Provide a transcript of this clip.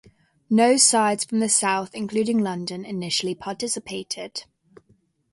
No sides from the South including London initially participated.